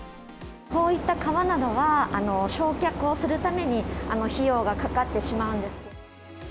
こういった皮などは、焼却をするために、費用がかかってしまうんですけれども。